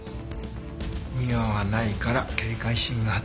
におわないから警戒心が働かないんだ。